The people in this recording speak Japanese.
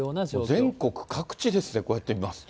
全国各地ですね、こうやって見ますと。